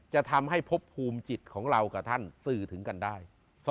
จะทำให้พบภูมิจิตของเราซื่อถึงกันได้